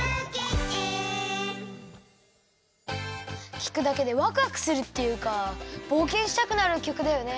きくだけでわくわくするっていうかぼうけんしたくなるきょくだよね。